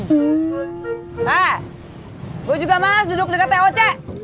hah gue juga males duduk deket toc